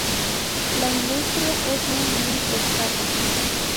La industria es más bien escasa.